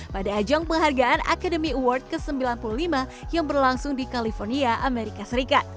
pada ajang penghargaan academy award ke sembilan puluh lima yang berlangsung di california amerika serikat